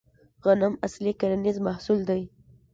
غنم اصلي کرنیز محصول دی